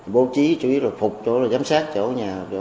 bố trí chủ yếu là phục chỗ giám sát chỗ nhà